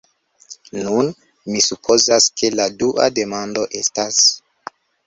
Nun, mi supozas, ke la dua demando estas: